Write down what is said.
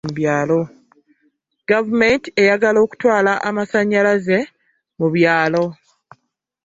Gavumenti eyagala kutwala amasannyalaze mu byalo.